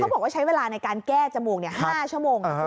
บอกว่าใช้เวลาในการแก้จมูก๕ชั่วโมง